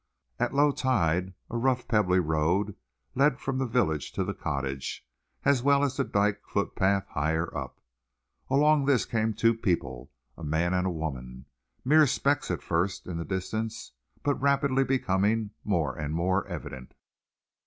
At low tide, a rough, pebbly road led from the village to the cottage, as well as the dyke footpath higher up. Along this came two people, a man and a woman, mere specks at first in the distance, but rapidly becoming more and more evident.